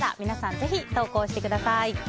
ぜひ投稿してください。